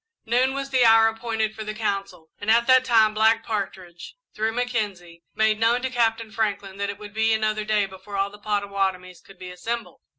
Noon was the hour appointed for the council, and at that time Black Partridge, through Mackenzie, made known to Captain Franklin that it would be another day before all the Pottawattomies could be assembled.